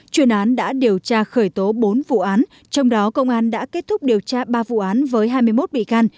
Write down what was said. chuyên án đã điều tra khởi tố bốn vụ án trong đó công an đã kết thúc điều tra ba vụ án với hai mươi một bị can